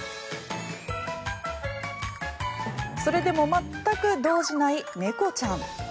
それでも全く動じない猫ちゃん。